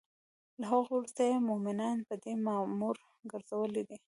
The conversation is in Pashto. له هغوی وروسته یی مومنان په دی مامور ګرځولی دی